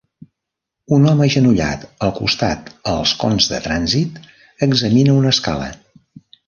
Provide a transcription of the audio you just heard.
Un home agenollat al costat els cons de trànsit examina una escala.